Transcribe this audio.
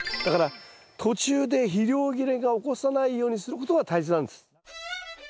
だから途中で肥料切れが起こさないようにすることが大切なんです。